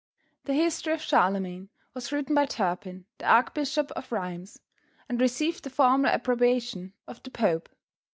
The history of Charlemagne was written by Turpin the Archbishop of Rheims, and received the formal approbation of the Pope.